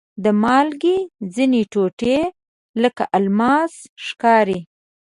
د مالګې ځینې ټوټې لکه الماس ښکاري.